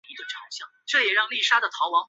大多数课程也有大专文凭授予学生。